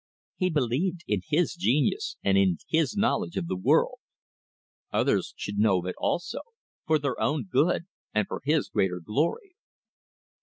He believed in his genius and in his knowledge of the world. Others should know of it also; for their own good and for his greater glory.